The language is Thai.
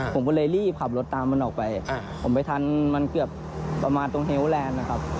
ผมก็เลยรีบขับรถตามมันออกไปผมไปทันมันเกือบประมาณตรงเฮลแลนด์นะครับ